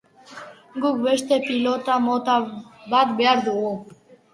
Guk beste pilota mota bat behar dugu.